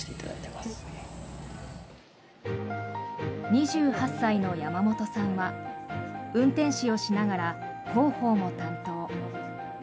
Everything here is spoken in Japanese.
２８歳の山本さんは運転士をしながら広報も担当。